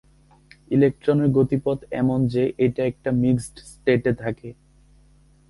ইলেক্ট্রনের গতিপথ এমন যে এইটা একটা মিক্সড স্টেটে থাকে।